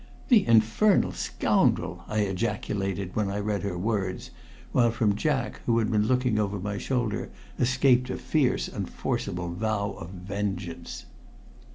"The infernal scoundrel!" I ejaculated, when I read her words, while from Jack, who had been looking over my shoulder, escaped a fierce and forcible vow of vengeance.